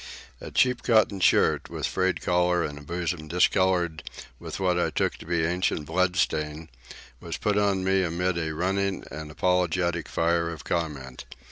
A cheap cotton shirt, with frayed collar and a bosom discoloured with what I took to be ancient blood stains, was put on me amid a running and apologetic fire of comment.